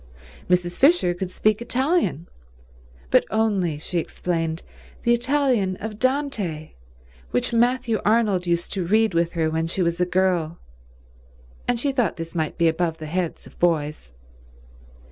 Mrs. Fisher could speak Italian, but only, she explained, the Italian of Dante, which Matthew Arnold used to read with her when she was a girl, and she thought this might be above the heads of boys.